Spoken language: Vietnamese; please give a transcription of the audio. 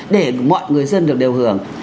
để mọi người dân được điều hưởng